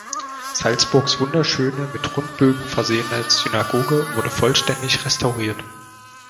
Salzburgs wunderschöne, mit Rundbögen versehene Synagoge, wurde vollständig restauriert.